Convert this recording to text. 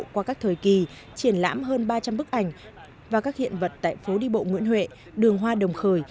qua các thời kỳ triển lãm hơn ba trăm linh bức ảnh và các hiện vật tại phố đi bộ nguyễn huệ đường hoa đồng khởi